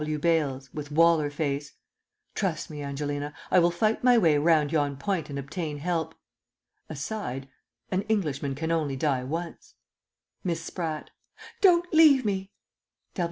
W. Bales (with Waller face). Trust me, Angelina. I will fight my way round yon point and obtain help. (Aside) An Englishman can only die once. Miss Spratt. Don't leave me!